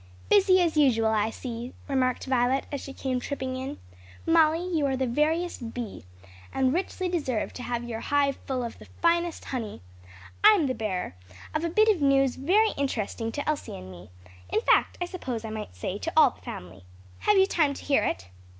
"Busy, as usual, I see," remarked Violet, as she came tripping in. "Molly, you are the veriest bee, and richly deserve to have your hive full of the finest honey. I'm the bearer of a bit of news very interesting to Elsie and me, in fact I suppose I might say to all the family. Have you time to hear it?"